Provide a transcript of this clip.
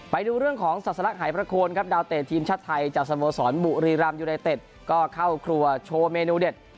ไปดูเรื่องของศาสลักหายประโคนครับดาวเตะทีมชาติไทยจากสโมสรบุรีรำยูไนเต็ดก็เข้าครัวโชว์เมนูเด็ด